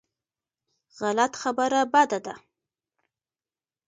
غلط خبره بده ده.